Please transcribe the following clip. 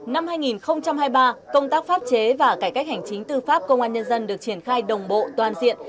năm hai nghìn hai mươi ba công tác pháp chế và cải cách hành chính tư pháp công an nhân dân được triển khai đồng bộ toàn diện